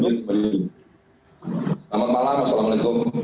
selamat malam assalamualaikum